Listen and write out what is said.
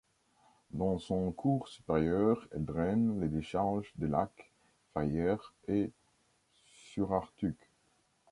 Dans son cours supérieur, elle draine les décharges des lacs Ferrière et Siurartuuq.